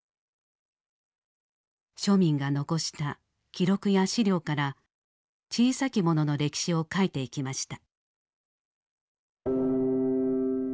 庶民が残した記録や資料から「小さきもの」の歴史を書いていきました。